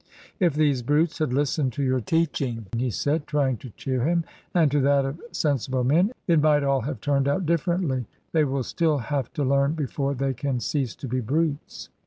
"If these brutes had listened to your teaching," he said, trying to cheer him, "and to that of sen sible men, it might have all turned out differently. They will still have to learn before they can cease to be brutes."